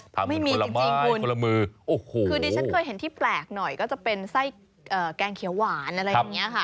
ไม่มีจริงคุณคนละมือโอ้โหคือดิฉันเคยเห็นที่แปลกหน่อยก็จะเป็นไส้แกงเขียวหวานอะไรอย่างนี้ค่ะ